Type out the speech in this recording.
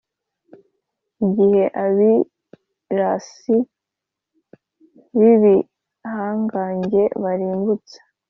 igihe abirasi n’ibihangange barimbutse;